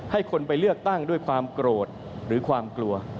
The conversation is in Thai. ให้คนไปเลือกตั้งด้วยความโกรธหรือความกลัว